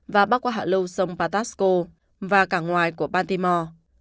và bắt qua hạ lưu sông patasco và cảng ngoài của baltimore